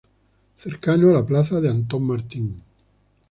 Cercano a la Plaza de Antón Martín.